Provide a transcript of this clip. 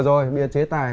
rồi bây giờ chế tài